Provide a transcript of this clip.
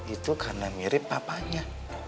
itu karena mirip papanya